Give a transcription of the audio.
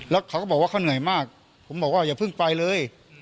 แล้วเขาก็บอกว่าเขาเหนื่อยมากผมบอกว่าอย่าเพิ่งไปเลย